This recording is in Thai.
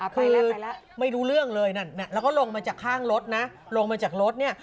คือไม่รู้เรื่องเลยนั่นแล้วก็ลงมาจากข้างรถนะลงมาจากรถเนี่ย